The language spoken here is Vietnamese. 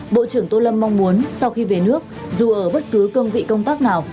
bộ trưởng tô lâm mong muốn sau khi về nước dù ở bất cứ cương vị công tác nào